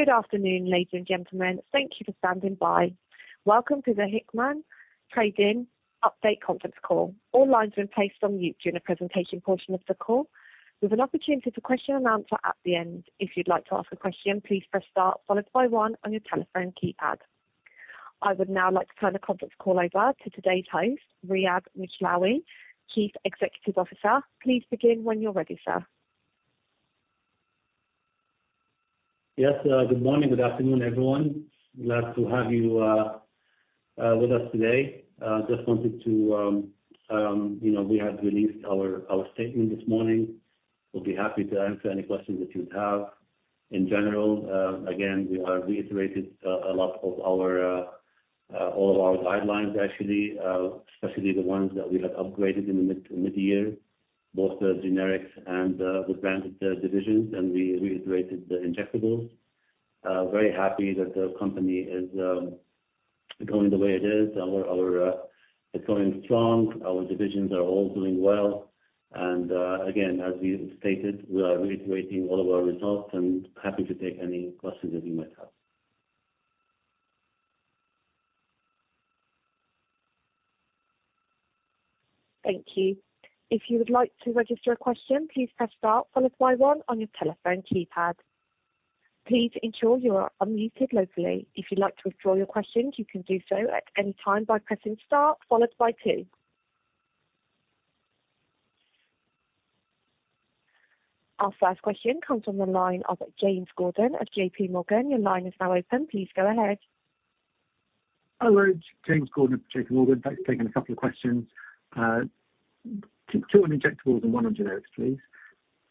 Good afternoon, ladies and gentlemen. Thank you for standing by. Welcome to the Hikma Pharmaceuticals' Susan Ringdal Trading Update Conference Call. All lines will be placed on mute during the presentation portion of the call. There's an opportunity for question and answer at the end. If you'd like to ask a question, please press star followed by one on your telephone keypad. I would now like to turn the conference call over to today's host, Riad Mishlawi, Chief Executive Officer. Please begin when you're ready, sir. Yes, Good morning, Good afternoon, everyone. Glad to have you with us today. Just wanted to, you know, we have released our statement this morning. We'll be happy to answer any questions that you would have. In general, again, we reiterated a lot of our, all of our guidelines, actually, especially the ones that we have upgraded in the mid-year, both the generics and the branded divisions, and we reiterated the injectables. Very happy that the company is going the way it is. It's going strong. Our divisions are all doing well. And again, as we stated, we are reiterating all of our results and happy to take any questions that you might have. Thank you. If you would like to register a question, please press star followed by one on your telephone keypad. Please ensure you are unmuted locally. If you'd like to withdraw your questions, you can do so at any time by pressing star followed by two. Our first question comes from the line of James Gordon at JP Morgan. Your line is now open. Please go ahead. Hello, James Gordon at JP Morgan. Thanks for taking a couple of questions. Two on injectables and one on generics, please.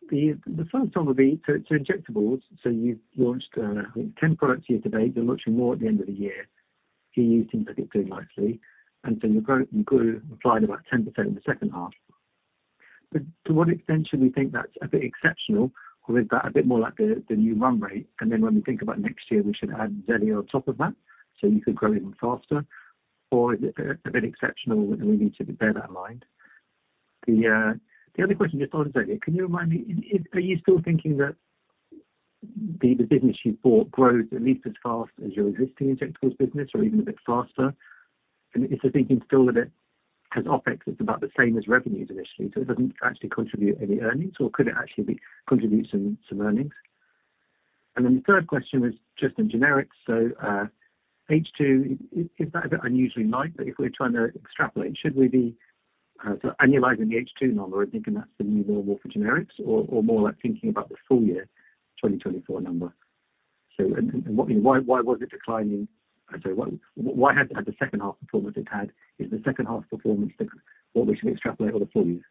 The first one would be to injectables. So you've launched, I think, 10 products year to date. You're launching more at the end of the year. You used things like it's doing nicely. And so your growth and grew, implied, about 10% in the second half. But to what extent should we think that's a bit exceptional, or is that a bit more like the new run rate? And then when we think about next year, we should add Xellia on top of that so you could grow even faster? Or is it a bit exceptional that we need to bear that in mind? The other question just on Xellia, can you remind me, are you still thinking that the business you bought grows at least as fast as your existing injectables business, or even a bit faster? And is the thinking still that it has OPEX, it's about the same as revenues initially, so it doesn't actually contribute any earnings, or could it actually contribute some earnings? And then the third question was just in generics. So H2, is that a bit unusually light? But if we're trying to extrapolate, should we be sort of annualizing the H2 number and thinking that's the new normal for generics, or more like thinking about the full year, 2024 number? So why was it declining? Sorry, why has it had the second half performance it's had? Is the second half performance what we should extrapolate or the full year?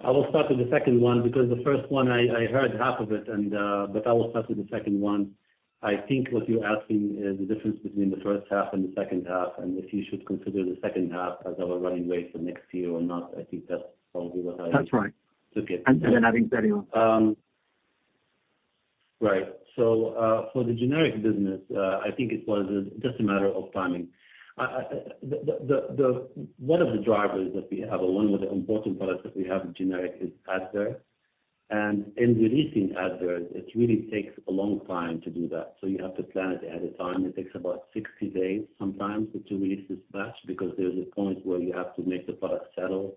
I will start with the second one because the first one I heard half of it, but I will start with the second one. I think what you're asking is the difference between the first half and the second half, and if you should consider the second half as our running rate for next year or not. I think that's probably what I That's right. Took it. And then adding Xellia on top. Right. So for the generic business, I think it was just a matter of timing. One of the drivers that we have, or one of the important products that we have in generic is Advair. And in releasing Advair, it really takes a long time to do that. So you have to plan it ahead of time. It takes about 60 days sometimes to release this batch because there's a point where you have to make the product settle,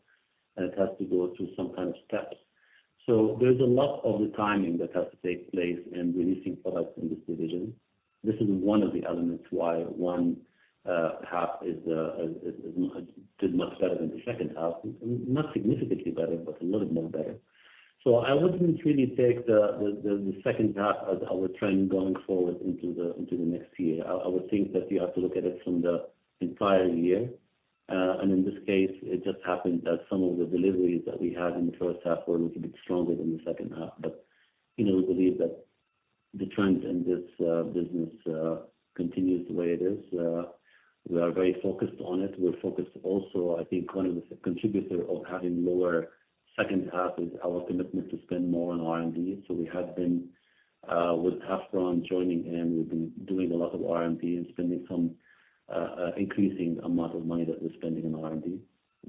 and it has to go through some kind of steps. So there's a lot of the timing that has to take place in releasing products in this division. This is one of the elements why one half did much better than the second half. Not significantly better, but a little more better. So I wouldn't really take the second half as our trend going forward into the next year. I would think that you have to look at it from the entire year, and in this case, it just happened that some of the deliveries that we had in the first half were a little bit stronger than the second half, but we believe that the trend in this business continues the way it is. We are very focused on it. We're focused also. I think one of the contributors of having lower second half is our commitment to spend more on R&D. So we have been with Hafrun joining in. We've been doing a lot of R&D and spending some increasing amount of money that we're spending on R&D.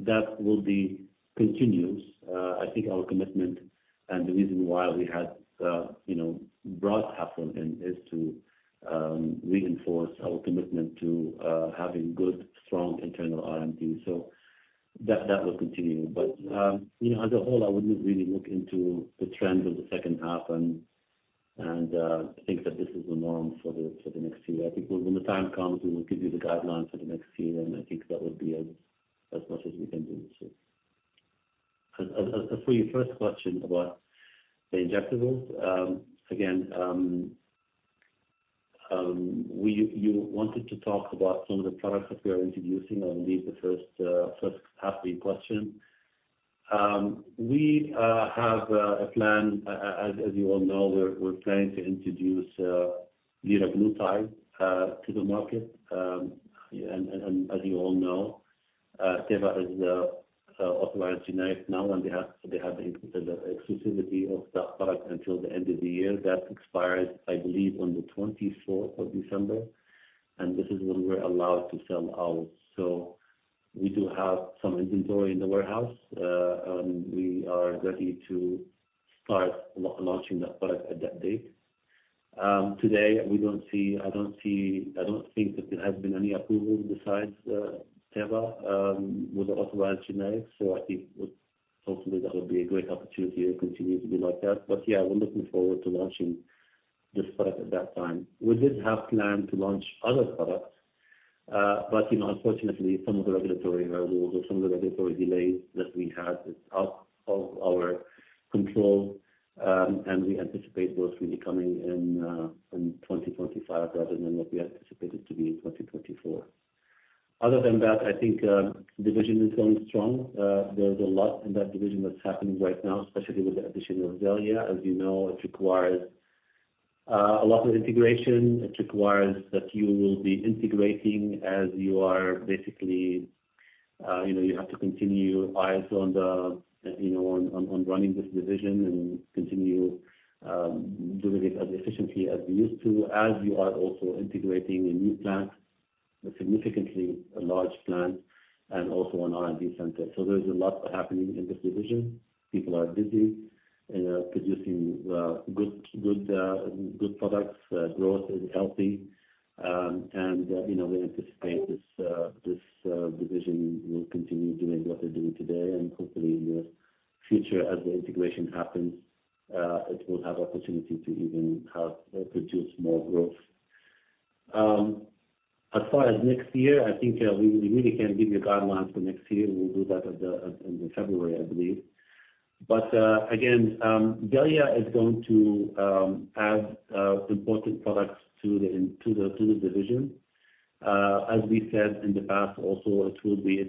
That will be continuous. I think our commitment and the reason why we had brought Hafrun in is to reinforce our commitment to having good, strong internal R&D. So that will continue. But as a whole, I wouldn't really look into the trend of the second half and think that this is the norm for the next year. I think when the time comes, we will give you the guidelines for the next year, and I think that would be as much as we can do. So for your first question about the injectables, again, you wanted to talk about some of the products that we are introducing. I believe the first half of your question. We have a plan. As you all know, we're planning to introduce liraglutide to the market. And as you all know, Teva is authorized generic now, and they have the exclusivity of that product until the end of the year. That expires, I believe, on the 24th of December. And this is when we're allowed to sell out. So we do have some inventory in the warehouse, and we are ready to start launching that product at that date. Today, I don't think that there has been any approval besides Teva with the authorized generics. So I think hopefully that would be a great opportunity to continue to be like that. But yeah, we're looking forward to launching this product at that time. We did have planned to launch other products, but unfortunately, some of the regulatory rules or some of the regulatory delays that we had is out of our control, and we anticipate those really coming in 2025 rather than what we anticipated to be in 2024. Other than that, I think the division is going strong. There's a lot in that division that's happening right now, especially with the addition of Xellia. As you know, it requires a lot of integration. It requires that you will be integrating as you are basically, you have to continue eyes on running this division and continue doing it as efficiently as we used to, as you are also integrating a new plant, a significantly large plant, and also an R&D center. So there's a lot happening in this division. People are busy producing good products. Growth is healthy, and we anticipate this division will continue doing what they're doing today, and hopefully in the future, as the integration happens, it will have the opportunity to even produce more growth. As far as next year, I think we really can give you guidelines for next year. We'll do that in February, I believe, but again, Xellia is going to add important products to the division. As we said in the past, also, it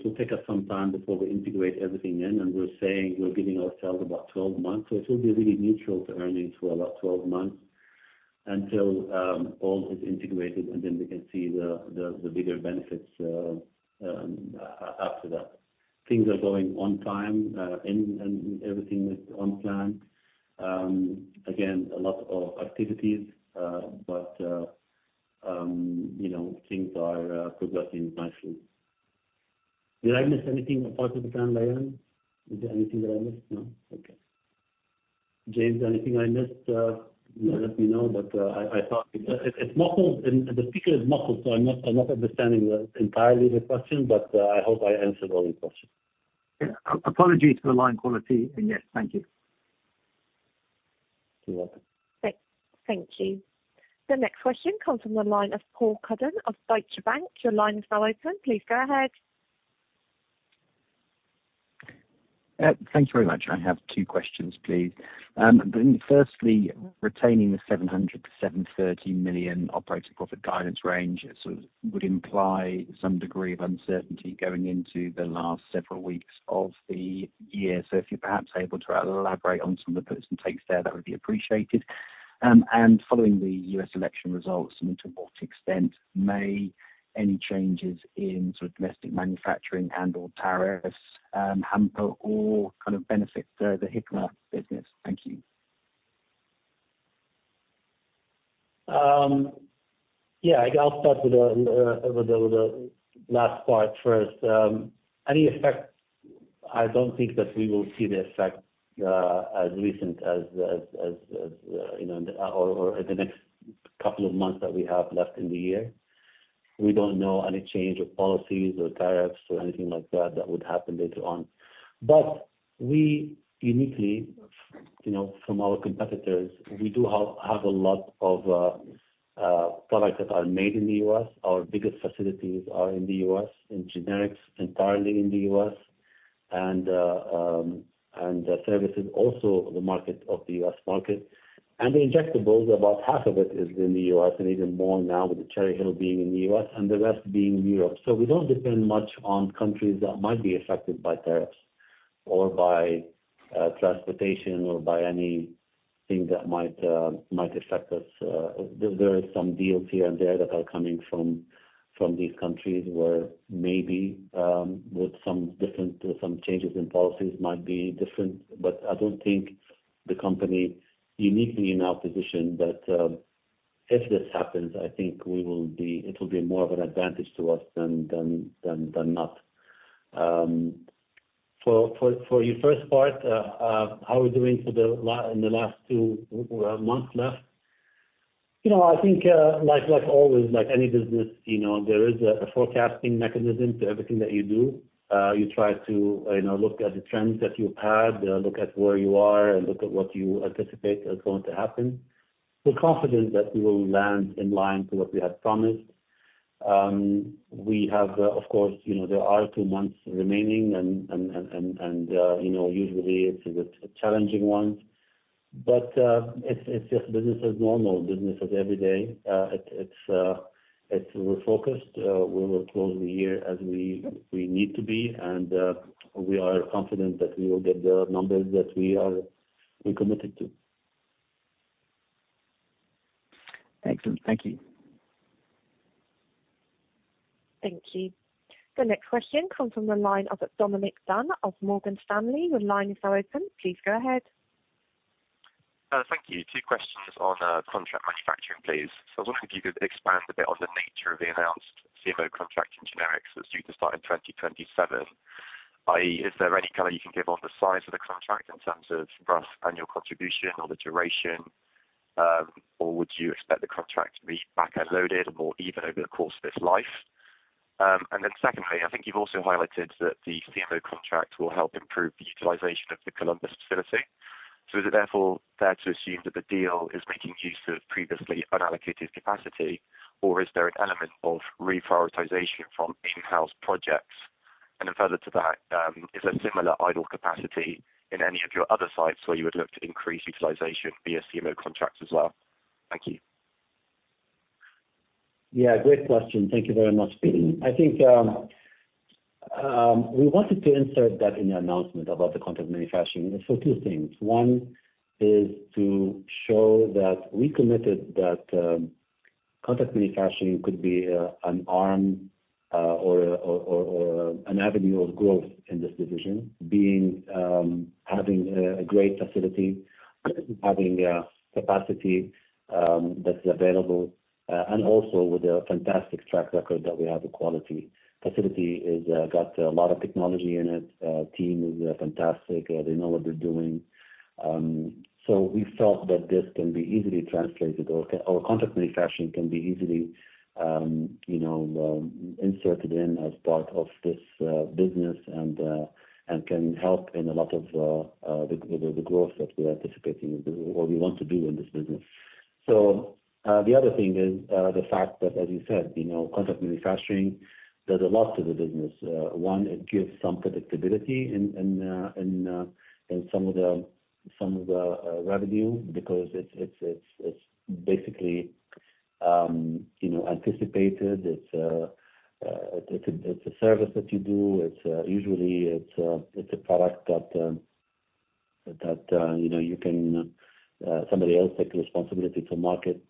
will take us some time before we integrate everything in. We're saying we're giving ourselves about 12 months. It will be really neutral to earnings for about 12 months until all is integrated, and then we can see the bigger benefits after that. Things are going on time and everything is on plan. Again, a lot of activities, but things are progressing nicely. Did I miss anything apart from the plan, Riad? Is there anything that I missed? No? Okay. James, anything I missed? Let me know. I thought it's muffled. The speaker is muffled, so I'm not understanding entirely the question, but I hope I answered all your questions. Apologies for the line quality, and yes, thank you. You're welcome. Thank you. The next question comes from the line of Paul Cuddon of Deutsche Bank. Your line is now open. Please go ahead. Thanks very much. I have two questions, please. Firstly, retaining the $700 million-$730 million operating profit guidance range would imply some degree of uncertainty going into the last several weeks of the year. So if you're perhaps able to elaborate on some of the bits and takes there, that would be appreciated. And following the U.S. election results, I mean, to what extent may any changes in sort of domestic manufacturing and/or tariffs hamper or kind of benefit the Hikma business? Thank you. Yeah, I'll start with the last part first. Any effect? I don't think that we will see the effect as recent as or in the next couple of months that we have left in the year. We don't know any change of policies or tariffs or anything like that that would happen later on. But we uniquely, from our competitors, we do have a lot of products that are made in the U.S. Our biggest facilities are in the U.S., in generics entirely in the U.S., and services also the market of the U.S. market, and the injectables, about half of it is in the U.S. and even more now with the Cherry Hill being in the U.S. and the rest being in Europe. So we don't depend much on countries that might be affected by tariffs or by transportation or by anything that might affect us. There are some deals here and there that are coming from these countries where maybe with some changes in policies might be different. But I don't think the company uniquely in our position that if this happens, I think it will be more of an advantage to us than not. For your first part, how are we doing in the last two months left? You know, I think like always, like any business, there is a forecasting mechanism to everything that you do. You try to look at the trends that you've had, look at where you are, and look at what you anticipate is going to happen. We're confident that we will land in line to what we had promised. We have, of course, there are two months remaining, and usually it's a challenging one. But it's just business as normal, business as every day. We're focused. We will close the year as we need to be, and we are confident that we will get the numbers that we are committed to. Excellent. Thank you. Thank you. The next question comes from the line of Dominic Lunn of Morgan Stanley. The line is now open. Please go ahead. Thank you. Two questions on contract manufacturing, please. So I was wondering if you could expand a bit on the nature of the announced CMO contract in generics that's due to start in 2027. Is there any color you can give on the size of the contract in terms of rough annual contribution or the duration, or would you expect the contract to be back-loaded or evenly over the course of its life? And then secondly, I think you've also highlighted that the CMO contract will help improve the utilization of the Columbus facility. So is it therefore fair to assume that the deal is making use of previously unallocated capacity, or is there an element of reprioritization from in-house projects? And then further to that, is there similar idle capacity in any of your other sites where you would look to increase utilization via CMO contracts as well? Thank you. Yeah, great question. Thank you very much. I think we wanted to insert that in the announcement about the contract manufacturing, so two things. One is to show that we committed that contract manufacturing could be an arm or an avenue of growth in this division, having a great facility, having capacity that's available, and also with a fantastic track record that we have a quality facility that's got a lot of technology in it. The team is fantastic. They know what they're doing, so we felt that this can be easily translated or contract manufacturing can be easily inserted in as part of this business and can help in a lot of the growth that we're anticipating or we want to do in this business, so the other thing is the fact that, as you said, contract manufacturing does a lot to the business. One, it gives some predictability in some of the revenue because it's basically anticipated. It's a service that you do. Usually, it's a product that you can have somebody else take responsibility to market.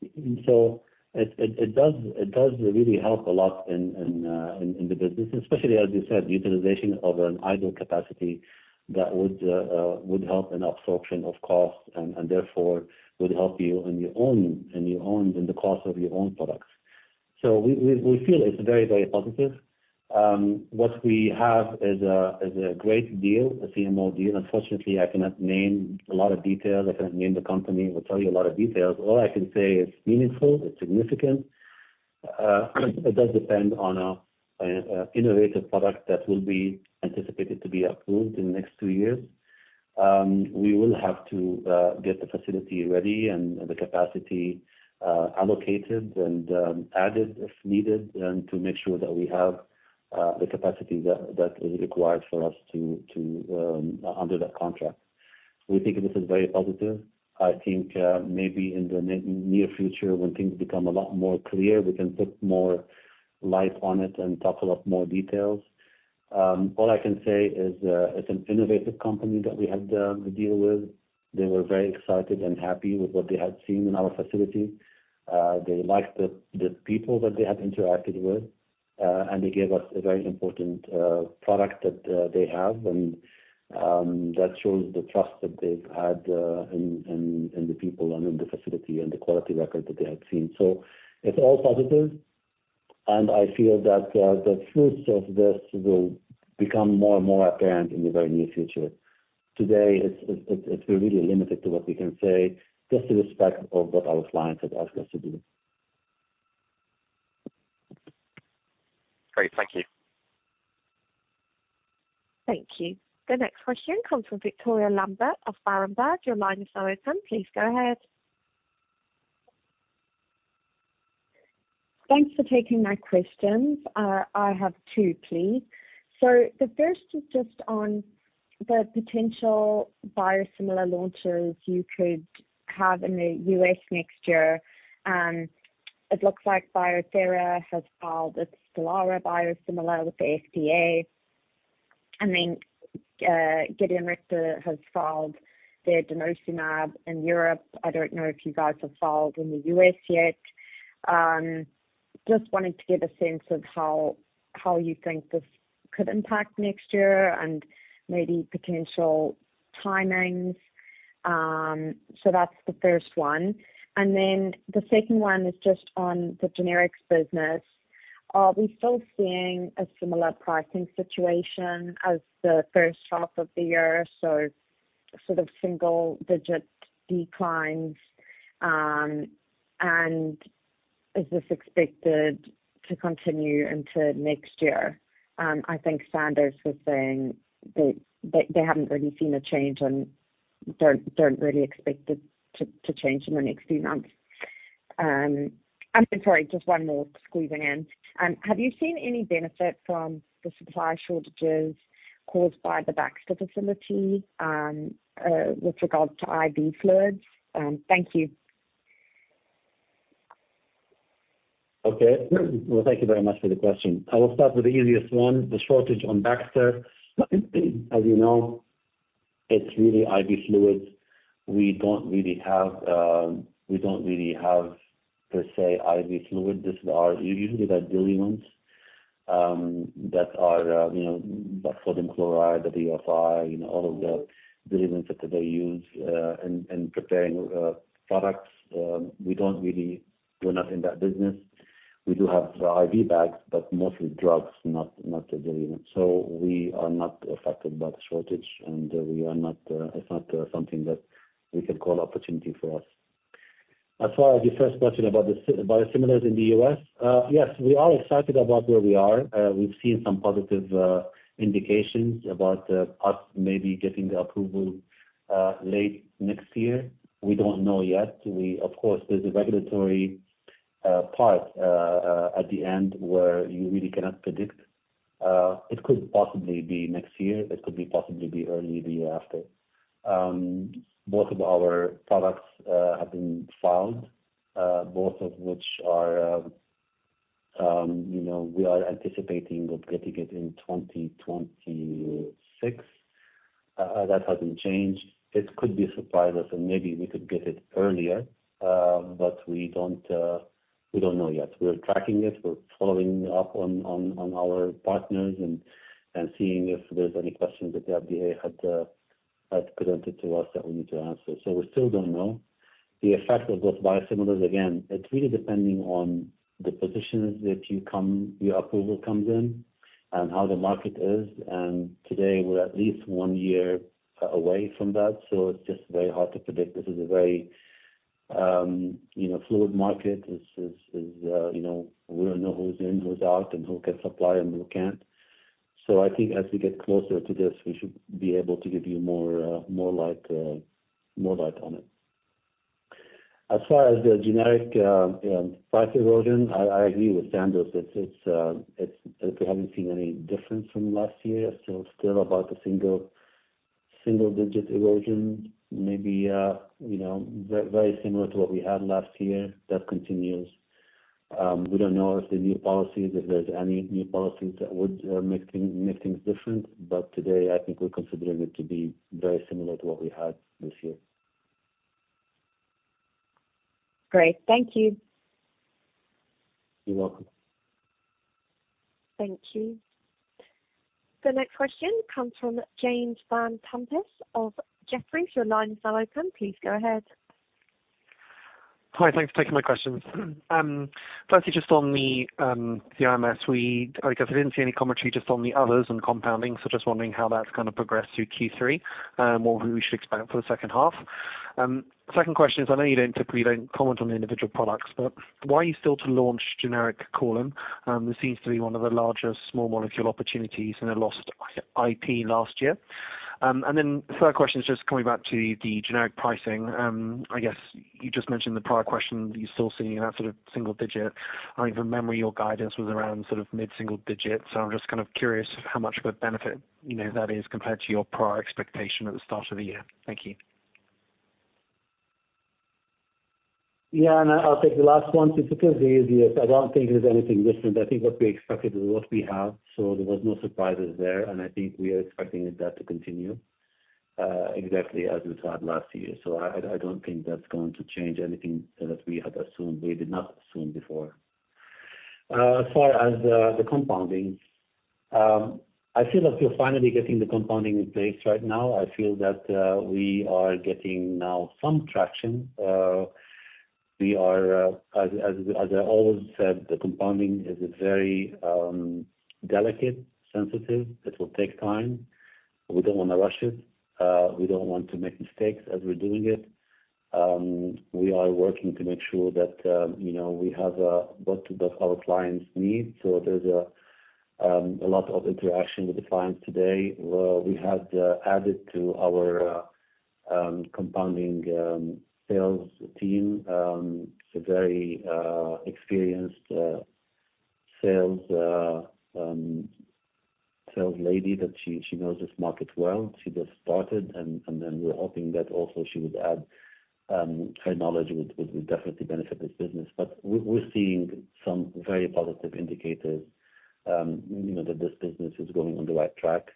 So it does really help a lot in the business, especially, as you said, utilization of an idle capacity that would help in absorption of costs and therefore would help you in your own and the cost of your own products. So we feel it's very, very positive. What we have is a great deal, a CMO deal. Unfortunately, I cannot name a lot of details. I cannot name the company or tell you a lot of details. All I can say is meaningful. It's significant. It does depend on an innovative product that will be anticipated to be approved in the next two years. We will have to get the facility ready and the capacity allocated and added if needed to make sure that we have the capacity that is required for us to honor that contract. We think this is very positive. I think maybe in the near future, when things become a lot more clear, we can put more light on it and talk a lot more details. All I can say is it's an innovative company that we had to deal with. They were very excited and happy with what they had seen in our facility. They liked the people that they had interacted with, and they gave us a very important product that they have. And that shows the trust that they've had in the people and in the facility and the quality record that they had seen. So it's all positive. And I feel that the fruits of this will become more and more apparent in the very near future. Today, we're really limited to what we can say, just to the respect of what our clients have asked us to do. Great. Thank you. Thank you. The next question comes from Victoria Lambert of Berenberg. Your line is now open. Please go ahead. Thanks for taking my questions. I have two, please. So the first is just on the potential biosimilar launches you could have in the U.S. next year. It looks like Bio-Thera has filed with Stelara biosimilar with the FDA. And then Gedeon Richter has filed their denosumab in Europe. I don't know if you guys have filed in the U.S. yet. Just wanted to get a sense of how you think this could impact next year and maybe potential timings. So that's the first one. And then the second one is just on the generics business. Are we still seeing a similar pricing situation as the first half of the year? So sort of single-digit declines. And is this expected to continue into next year? I think Sandoz was saying they haven't really seen a change and don't really expect it to change in the next few months. I'm sorry, just one more squeezing in. Have you seen any benefit from the supply shortages caused by the Baxter facility with regards to IV fluids? Thank you. Okay. Well, thank you very much for the question. I will start with the easiest one, the shortage on Baxter. As you know, it's really IV fluids. We don't really have per se IV fluids. This is usually the diluents that are sodium chloride, the WFI, all of the diluents that they use in preparing products. We're not in that business. We do have IV bags, but mostly drugs, not the diluents. So we are not affected by the shortage, and it's not something that we can call opportunity for us. As far as your first question about the biosimilars in the U.S., yes, we are excited about where we are. We've seen some positive indications about us maybe getting the approval late next year. We don't know yet. Of course, there's a regulatory part at the end where you really cannot predict. It could possibly be next year. It could possibly be early the year after. Both of our products have been filed, both of which we are anticipating getting in 2026. That hasn't changed. It could surprise us, and maybe we could get it earlier, but we don't know yet. We're tracking it. We're following up on our partners and seeing if there's any questions that the FDA had presented to us that we need to answer. So we still don't know. The effect of those biosimilars, again, it's really depending on the position that the approval comes in and how the market is. Today, we're at least one year away from that. So it's just very hard to predict. This is a very fluid market. We don't know who's in, who's out, and who can supply and who can't. I think as we get closer to this, we should be able to give you more light on it. As far as the generic price erosion, I agree with Sandoz. We haven't seen any difference from last year. It's still about the single-digit erosion, maybe very similar to what we had last year that continues. We don't know if the new policies, if there's any new policies that would make things different. But today, I think we're considering it to be very similar to what we had this year. Great. Thank you. You're welcome. Thank you. The next question comes from James Vane-Tempest of Jefferies. Your line is now open. Please go ahead. Hi. Thanks for taking my questions. Firstly, just on the CRAMS, because I didn't see any commentary, just on the others and compounding. So just wondering how that's going to progress through Q3 and what we should expect for the second half. Second question is, I know you typically don't comment on the individual products, but why are you still to launch generic Korlym? This seems to be one of the largest small molecule opportunities in a lost IP last year. And then third question is just coming back to the generic pricing. I guess you just mentioned the prior question, you're still seeing that sort of single-digit. I think from memory, your guidance was around sort of mid-single digits. So I'm just kind of curious how much of a benefit that is compared to your prior expectation at the start of the year. Thank you. Yeah. And I'll take the last one since it is the easiest. I don't think there's anything different. I think what we expected is what we have. So there were no surprises there. And I think we are expecting that to continue exactly as we've had last year. So I don't think that's going to change anything that we had assumed. We did not assume before. As far as the compounding, I feel like we're finally getting the compounding in place right now. I feel that we are getting now some traction. As I always said, the compounding is very delicate, sensitive. It will take time. We don't want to rush it. We don't want to make mistakes as we're doing it. We are working to make sure that we have what our clients need. So there's a lot of interaction with the clients today. We had added to our compounding sales team. It's a very experienced sales lady that she knows this market well. She just started, and then we're hoping that also she would add her knowledge would definitely benefit this business, but we're seeing some very positive indicators that this business is going on the right track,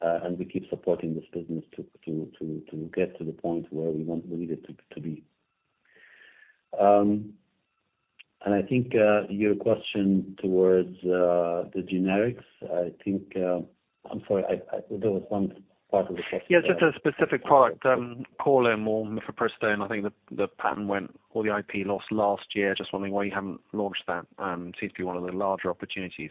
and we keep supporting this business to get to the point where we want it to be. I think your question towards the generics. I think, I'm sorry, there was one part of the question. Yeah, just a specific product, Korlym or mifepristone. I think the patent went or the IP lost last year. Just wondering why you haven't launched that. Seems to be one of the larger opportunities.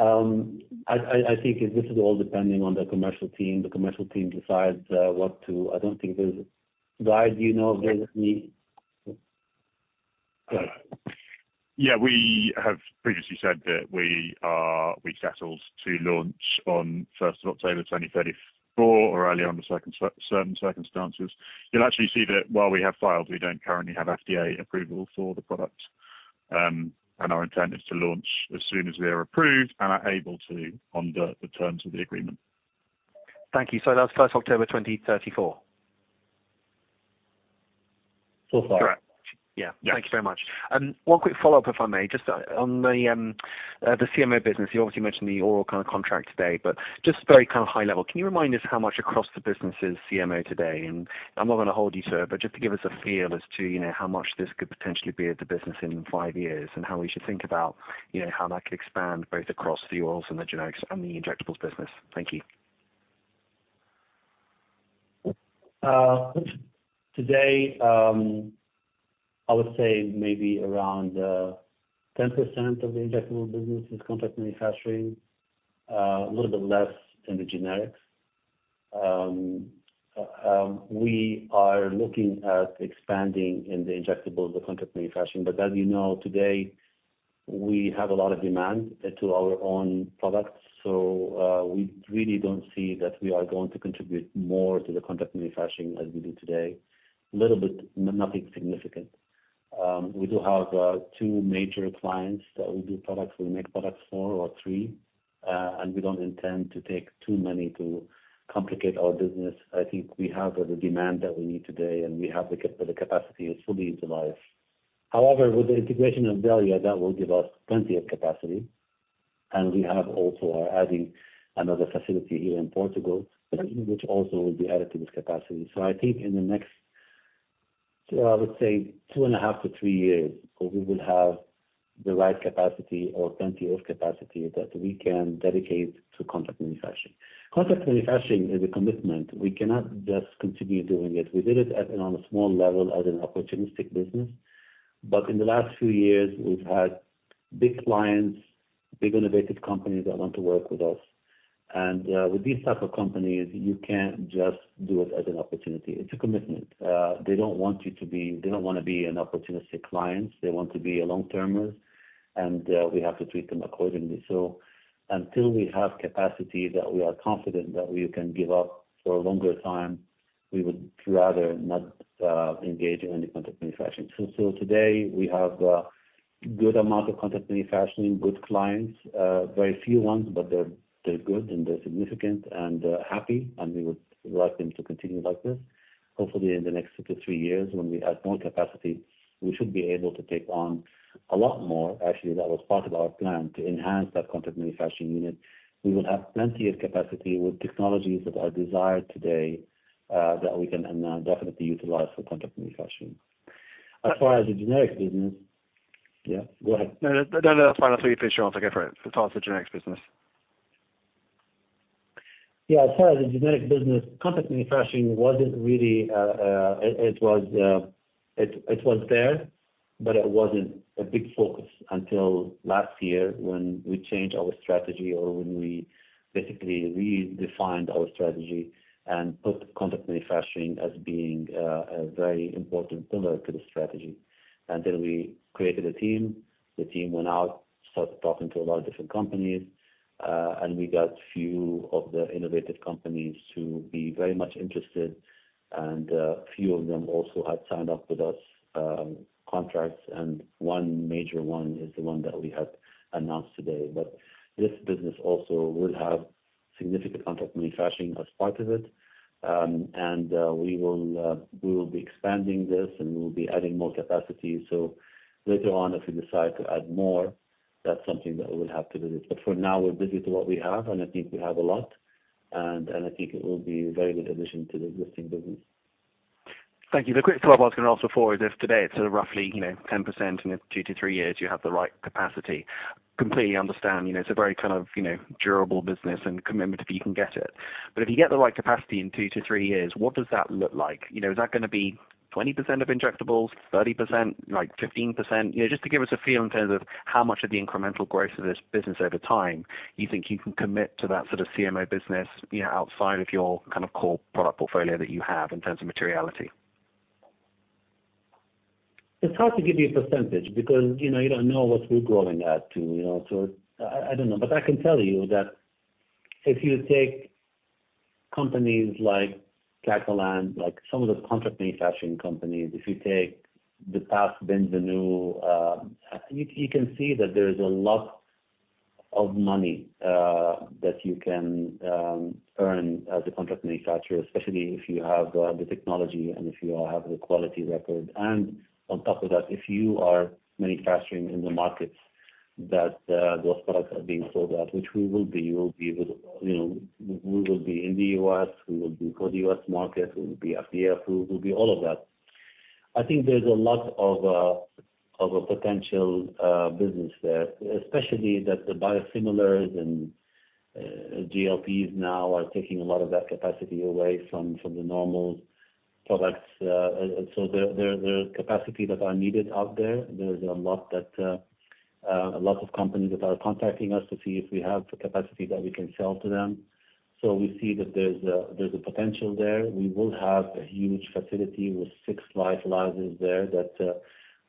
I think this is all depending on the commercial team. The commercial team decides what to. I don't think there's. Guy, do you know if there's any? Go ahead. Yeah. We have previously said that we settled to launch on 1st of October 2034 or early on with certain circumstances. You'll actually see that while we have filed, we don't currently have FDA approval for the product, and our intent is to launch as soon as we are approved and are able to under the terms of the agreement. Thank you. So that's 1st October 2034. So far. Correct. Yeah. Thank you very much. One quick follow-up, if I may, just on the CMO business. You obviously mentioned the oral kind of contract today, but just very kind of high level. Can you remind us how much across the business is CMO today? And I'm not going to hold you to it, but just to give us a feel as to how much this could potentially be at the business in five years and how we should think about how that could expand both across the orals and the generics and the injectables business. Thank you. Today, I would say maybe around 10% of the injectable business is contract manufacturing, a little bit less in the generics. We are looking at expanding in the injectables, the contract manufacturing, but as you know, today, we have a lot of demand to our own products, so we really don't see that we are going to contribute more to the contract manufacturing as we do today. A little bit, nothing significant. We do have two major clients that we do products for, or three, and we don't intend to take too many to complicate our business. I think we have the demand that we need today, and we have the capacity fully utilized. However, with the integration of Xellia, that will give us plenty of capacity, and we are also adding another facility here in Portugal, which also will be added to this capacity. So I think in the next, I would say, two and a half to three years, we will have the right capacity or plenty of capacity that we can dedicate to contract manufacturing. Contract manufacturing is a commitment. We cannot just continue doing it. We did it on a small level as an opportunistic business. But in the last few years, we've had big clients, big innovative companies that want to work with us. And with these types of companies, you can't just do it as an opportunity. It's a commitment. They don't want to be an opportunistic client. They want to be long-termers. And we have to treat them accordingly. So until we have capacity that we are confident that we can give up for a longer time, we would rather not engage in any contract manufacturing. So today, we have a good amount of contract manufacturing, good clients, very few ones, but they're good and they're significant and happy. And we would like them to continue like this. Hopefully, in the next two to three years, when we add more capacity, we should be able to take on a lot more. Actually, that was part of our plan to enhance that contract manufacturing unit. We will have plenty of capacity with technologies that are desired today that we can definitely utilize for contract manufacturing. As far as the generic business, yeah, go ahead. No, no, no, that's fine. I'll tell you to finish your answer. Go for it. It's hard for the generics business. Yeah. As far as the generic business, contract manufacturing wasn't really. It was there, but it wasn't a big focus until last year when we changed our strategy or when we basically redefined our strategy and put contract manufacturing as being a very important pillar to the strategy. And then we created a team. The team went out, started talking to a lot of different companies. And we got a few of the innovative companies to be very much interested. And a few of them also had signed up with us contracts. And one major one is the one that we have announced today. But this business also will have significant contract manufacturing as part of it. And we will be expanding this, and we will be adding more capacity. So later on, if we decide to add more, that's something that we'll have to visit. But for now, we're busy to what we have. And I think we have a lot. And I think it will be a very good addition to the existing business. Thank you. The quick follow-up I was going to ask before is if today, it's sort of roughly 10%, and in two to three years, you have the right capacity. Completely understand. It's a very kind of durable business and commitment if you can get it. But if you get the right capacity in two to three years, what does that look like? Is that going to be 20% of injectables, 30%, 15%? Just to give us a feel in terms of how much of the incremental growth of this business over time, you think you can commit to that sort of CMO business outside of your kind of core product portfolio that you have in terms of materiality? It's hard to give you a percentage because you don't know what we're growing at too. So I don't know. But I can tell you that if you take companies like Catalent, some of the contract manufacturing companies, if you take the past Ben Venue, you can see that there's a lot of money that you can earn as a contract manufacturer, especially if you have the technology and if you have the quality record. And on top of that, if you are manufacturing in the markets that those products are being sold at, which we will be. We will be in the US. We will be for the US market. We will be FDA approved. We'll be all of that. I think there's a lot of potential business there, especially that the biosimilars and GLPs now are taking a lot of that capacity away from the normal products. So there are capacities that are needed out there. There's a lot of companies that are contacting us to see if we have the capacity that we can sell to them. So we see that there's a potential there. We will have a huge facility with six lyophilizers there that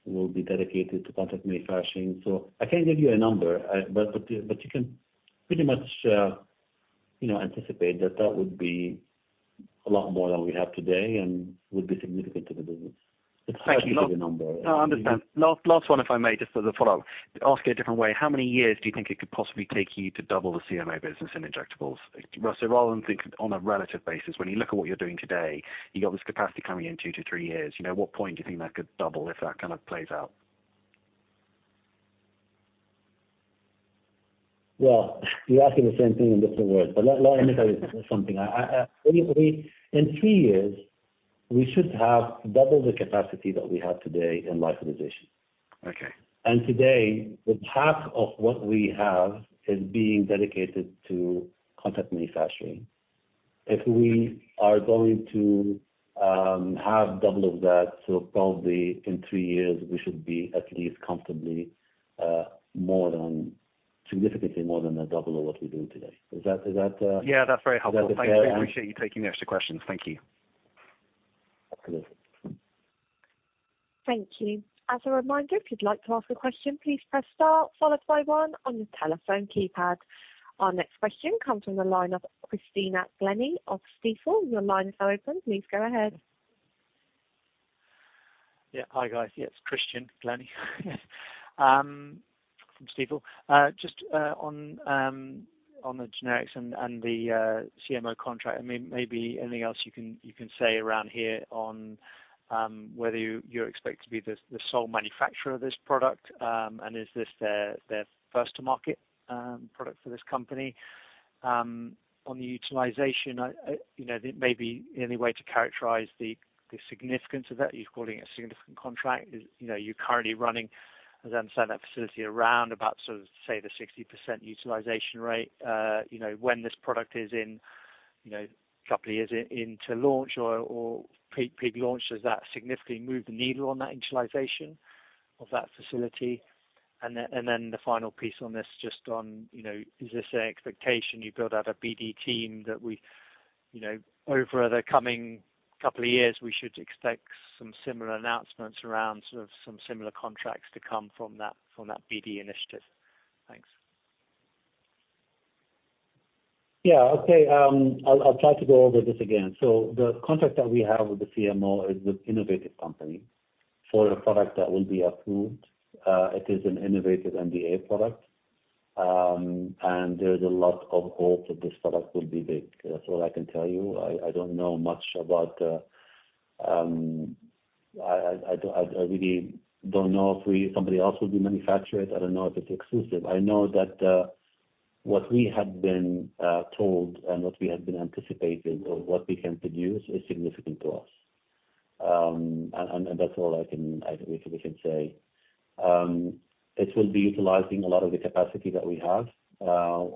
will be dedicated to contract manufacturing. So I can't give you a number, but you can pretty much anticipate that that would be a lot more than we have today and would be significant to the business. It's hard to give you a number. Thank you. No, I understand. Last one, if I may, just as a follow-up, ask you a different way. How many years do you think it could possibly take you to double the CMO business in injectables? So rather than think on a relative basis, when you look at what you're doing today, you've got this capacity coming in two to three years. What point do you think that could double if that kind of plays out? You're asking the same thing in different words. But let me tell you something. In three years, we should have double the capacity that we have today in lyo utilization. And today, half of what we have is being dedicated to contract manufacturing. If we are going to have double of that, so probably in three years, we should be at least comfortably more than significantly more than the double of what we do today. Is that? Yeah, that's very helpful. Thank you. I appreciate you taking the extra questions. Thank you. Absolutely. Thank you. As a reminder, if you'd like to ask a question, please press star followed by one on your telephone keypad. Our next question comes from the line of Christian Glennie of Stifel. Your line is now open. Please go ahead. Yeah. Hi, guys. Yeah, it's Christian Glennie from Stifel. Just on the generics and the CMO contract, and maybe anything else you can say around here on whether you're expected to be the sole manufacturer of this product, and is this their first-to-market product for this company? On the utilization, maybe any way to characterize the significance of that? You're calling it a significant contract. You're currently running, as I understand, that facility around about, say, the 60% utilization rate. When this product is in a couple of years into launch or peak launch, does that significantly move the needle on that utilization of that facility? And then the final piece on this, just on, is this an expectation you build out a BD team that over the coming couple of years, we should expect some similar announcements around sort of some similar contracts to come from that BD initiative? Thanks. Yeah. Okay. I'll try to go over this again. So the contract that we have with the CMO is with Innovative Company for a product that will be approved. It is an Innovative NDA product. And there's a lot of hope that this product will be big. That's all I can tell you. I don't know much about. I really don't know if somebody else will be manufacturing it. I don't know if it's exclusive. I know that what we had been told and what we had been anticipated or what we can produce is significant to us. And that's all I can say. It will be utilizing a lot of the capacity that we have.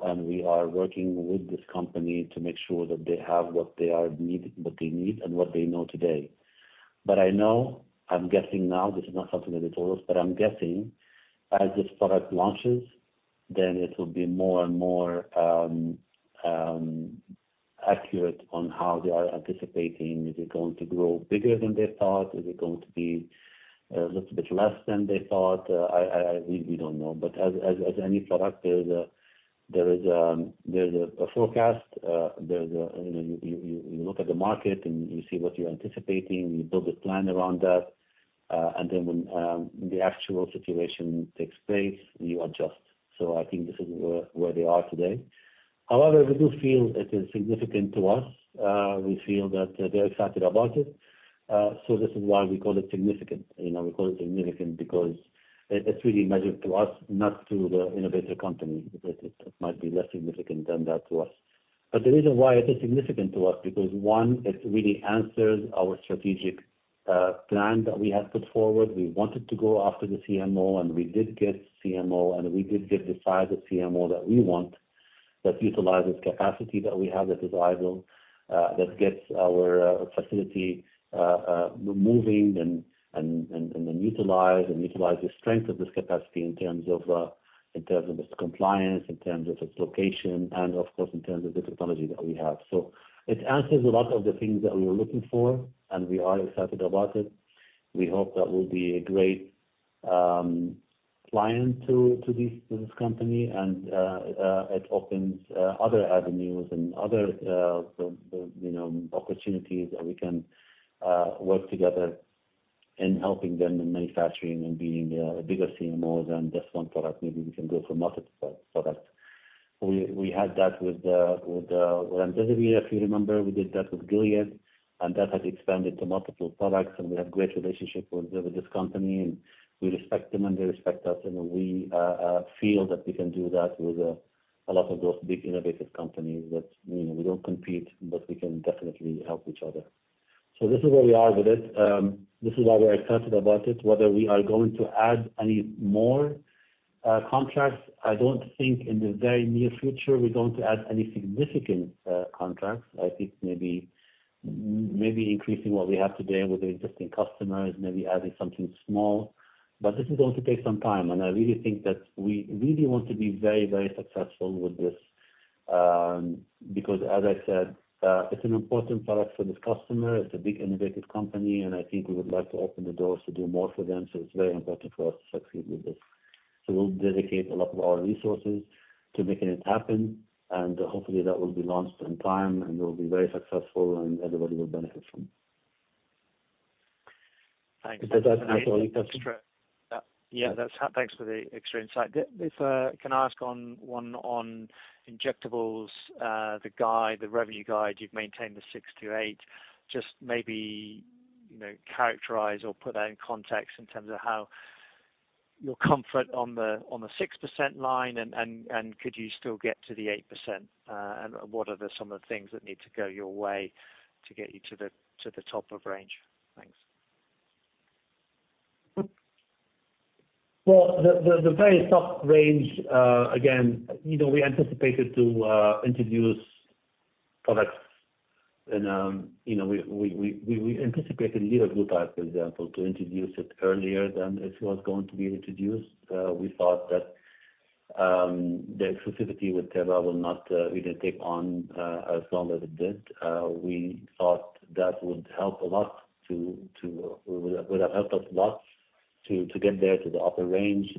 And we are working with this company to make sure that they have what they need and what they know today. But I know, I'm guessing now. This is not something that they told us, but I'm guessing as this product launches, then it will be more and more accurate on how they are anticipating. Is it going to grow bigger than they thought? Is it going to be a little bit less than they thought? I really don't know. But as any product, there is a forecast. You look at the market, and you see what you're anticipating. You build a plan around that. And then when the actual situation takes place, you adjust. So I think this is where they are today. However, we do feel it is significant to us. We feel that they're excited about it. So this is why we call it significant. We call it significant because it's really measured to us, not to the Innovator Company. It might be less significant than that to us. But the reason why it is significant to us is because, one, it really answers our strategic plan that we had put forward. We wanted to go after the CMO, and we did get CMO, and we did get the size of CMO that we want that utilizes capacity that we have that is idle, that gets our facility moving. And then utilize and utilize the strength of this capacity in terms of its compliance, in terms of its location, and of course, in terms of the technology that we have. So it answers a lot of the things that we were looking for, and we are excited about it. We hope that we'll be a great client to this company. It opens other avenues and other opportunities that we can work together in helping them in manufacturing and being a bigger CMO than just one product. Maybe we can go from multiple products. We had that with remdesivir. If you remember, we did that with Gilead. And that had expanded to multiple products. And we have a great relationship with this company. And we respect them, and they respect us. And we feel that we can do that with a lot of those big innovative companies that we don't compete, but we can definitely help each other. So this is where we are with it. This is why we're excited about it. Whether we are going to add any more contracts, I don't think in the very near future we're going to add any significant contracts. I think maybe increasing what we have today with the existing customers, maybe adding something small. But this is going to take some time. And I really think that we really want to be very, very successful with this because, as I said, it's an important product for this customer. It's a big innovative company. And I think we would like to open the doors to do more for them. So it's very important for us to succeed with this. So we'll dedicate a lot of our resources to making it happen. And hopefully, that will be launched in time, and we'll be very successful, and everybody will benefit from it. Thanks. Does that answer all your questions? Yeah. Thanks for the extra insight. If I can ask one on injectables, the revenue guide, you've maintained the 6%-8%. Just maybe characterize or put that in context in terms of how your comfort on the 6% line, and could you still get to the 8%? And what are some of the things that need to go your way to get you to the top of range? Thanks. The very top range, again, we anticipated to introduce products. We anticipated liraglutide, for example, to introduce it earlier than it was going to be introduced. We thought that the exclusivity with Teva would not really take on as long as it did. We thought that would help a lot. It would have helped us a lot to get there to the upper range.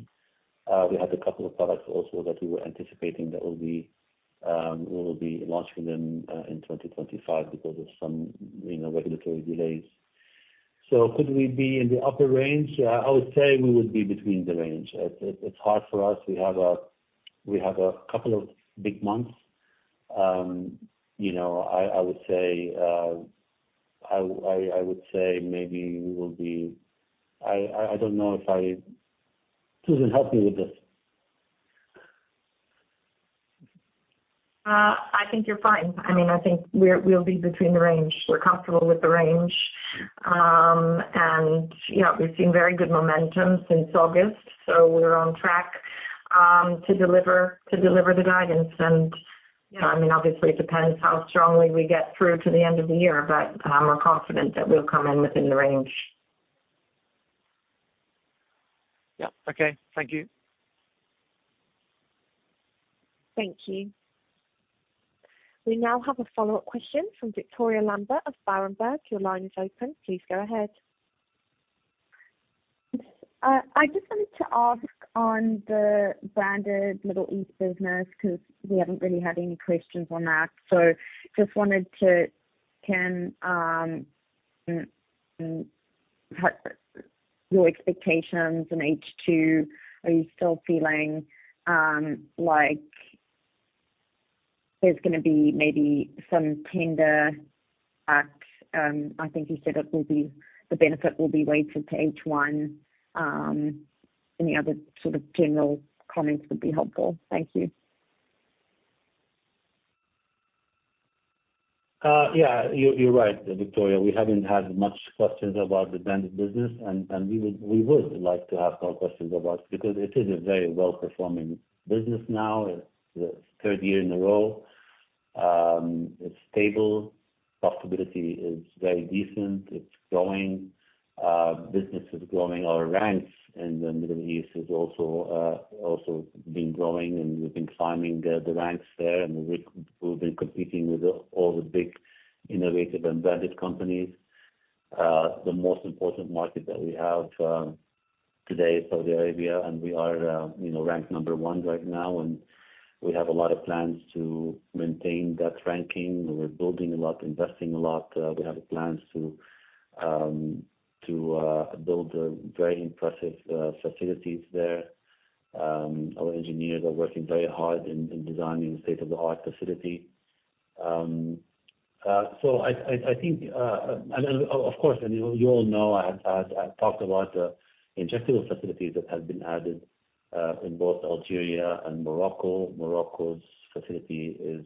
We had a couple of products also that we were anticipating that we will be launching them in 2025 because of some regulatory delays. So could we be in the upper range? I would say we would be between the range. It's hard for us. We have a couple of big months. I would say maybe we will be. I don't know. Susan, help me with this. I think you're fine. I mean, I think we'll be between the range. We're comfortable with the range, and yeah, we've seen very good momentum since August, so we're on track to deliver the guidance. And I mean, obviously, it depends how strongly we get through to the end of the year, but we're confident that we'll come in within the range. Yep. Okay. Thank you. Thank you. We now have a follow-up question from Victoria Lambert of Berenberg. Your line is open. Please go ahead. I just wanted to ask on the branded Middle East business because we haven't really had any questions on that. So just wanted to check in your expectations in H2. Are you still feeling like there's going to be maybe some tender at I think you said it will be the benefit will be weighted to H1? Any other sort of general comments would be helpful. Thank you. Yeah. You're right, Victoria. We haven't had much questions about the branded business, and we would like to have more questions about it because it is a very well-performing business now. It's the third year in a row. It's stable. Profitability is very decent. It's growing. Business is growing. Our ranks in the Middle East are also being growing, and we've been climbing the ranks there. And we've been competing with all the big innovative and branded companies. The most important market that we have today is Saudi Arabia. And we are ranked number one right now. And we have a lot of plans to maintain that ranking. We're building a lot, investing a lot. We have plans to build very impressive facilities there. Our engineers are working very hard in designing a state-of-the-art facility. I think, of course, and you all know, I talked about the injectable facilities that have been added in both Algeria and Morocco. Morocco's facility is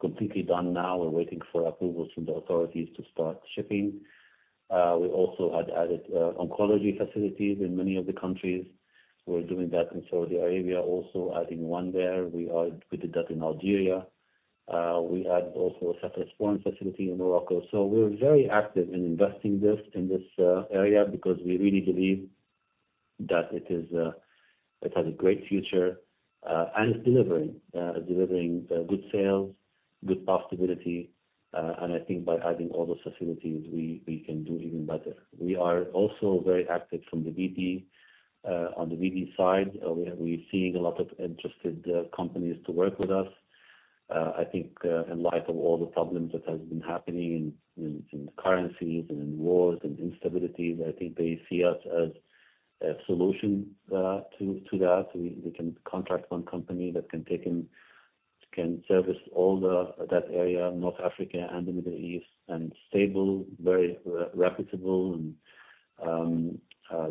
completely done now. We're waiting for approvals from the authorities to start shipping. We also had added oncology facilities in many of the countries. We're doing that in Saudi Arabia, also adding one there. We did that in Algeria. We added also a cephalosporin facility in Morocco. We're very active in investing in this area because we really believe that it has a great future. It's delivering. It's delivering good sales, good profitability. I think by adding all those facilities, we can do even better. We are also very active from the BD on the BD side. We're seeing a lot of interested companies to work with us. I think in light of all the problems that have been happening in currencies and in wars and instabilities, I think they see us as a solution to that. We can contract one company that can service all that area, North Africa and the Middle East, and stable, very reputable and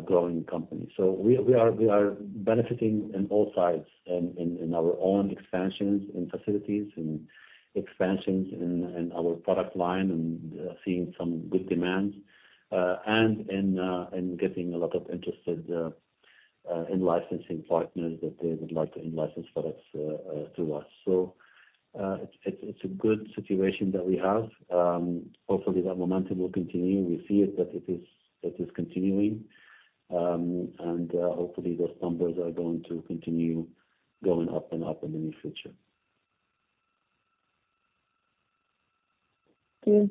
growing company. So we are benefiting in all sides in our own expansions in facilities, in expansions in our product line, and seeing some good demands, and in getting a lot of interested in-licensing partners that they would like to in-license products through us. So it's a good situation that we have. Hopefully, that momentum will continue. We see it that it is continuing. And hopefully, those numbers are going to continue going up and up in the near future. Thank you.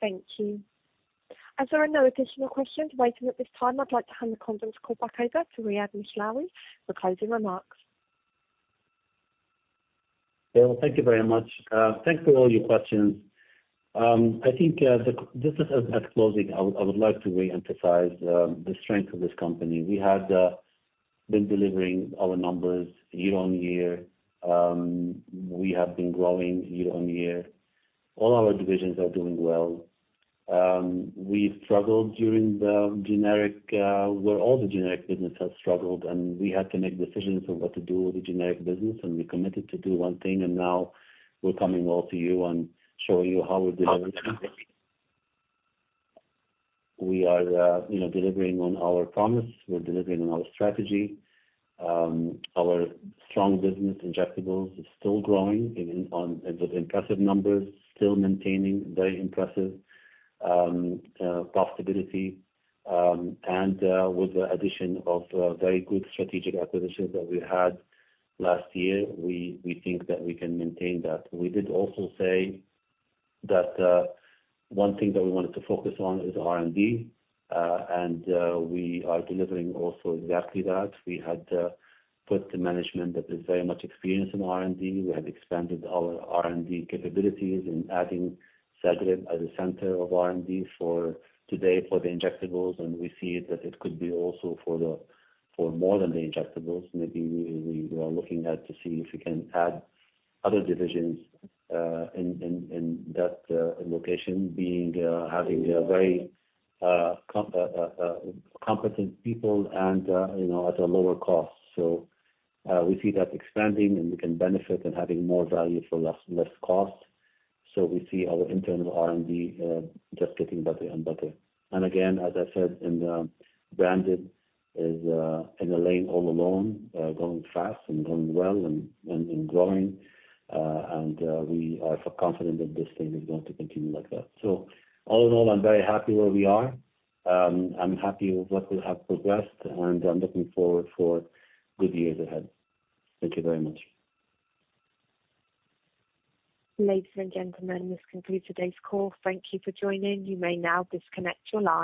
Thank you. And so are no additional questions waiting at this time. I'd like to hand the conference call back over to Riad Mishlawi for closing remarks. Okay. Well, thank you very much. Thanks for all your questions. I think just as closing, I would like to re-emphasize the strength of this company. We have been delivering our numbers year on year. We have been growing year on year. All our divisions are doing well. We struggled during the generic where all the generic business has struggled, and we had to make decisions on what to do with the generic business, and we committed to do one thing, and now we're coming all to you and showing you how we're delivering. We are delivering on our promise. We're delivering on our strategy. Our strong business, injectables, is still growing with impressive numbers, still maintaining very impressive profitability, and with the addition of very good strategic acquisitions that we had last year, we think that we can maintain that. We did also say that one thing that we wanted to focus on is R&D. And we are delivering also exactly that. We had put the management that is very much experienced in R&D. We have expanded our R&D capabilities and adding Zagreb as a center of R&D today for the injectables. And we see that it could be also for more than the injectables. Maybe we are looking at to see if we can add other divisions in that location, having very competent people and at a lower cost. So we see that expanding, and we can benefit and having more value for less cost. So we see our internal R&D just getting better and better. And again, as I said, in the branded is in a lane all alone, going fast and going well and growing. And we are confident that this thing is going to continue like that. So all in all, I'm very happy where we are. I'm happy with what we have progressed. And I'm looking forward for good years ahead. Thank you very much. Ladies and gentlemen, this concludes today's call. Thank you for joining. You may now disconnect your line.